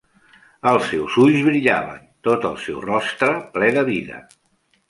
Els seus ulls brillaven, tot el seu rostre ple de vida.